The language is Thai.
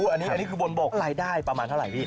อันนี้คือบนบกรายได้ประมาณเท่าไหร่พี่